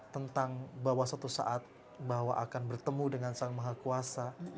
tentang bahwa suatu saat bahwa akan bertemu dengan sang maha kuasa